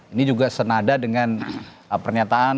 ini juga senada dengan pernyataan